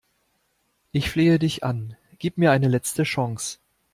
Ich flehe dich an, gib mir eine letzte Chance!